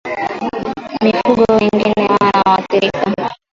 Mifugo wengine wanaoathirika